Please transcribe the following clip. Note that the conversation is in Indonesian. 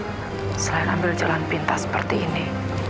apa nggak ada jalan lain selain ambil jalan pintas seperti ini